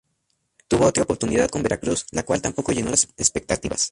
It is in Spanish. Tuvo otra oportunidad con Veracruz, la cual tampoco llenó las expectativas.